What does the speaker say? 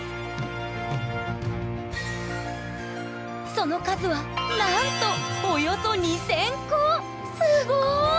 その数はなんとすごい！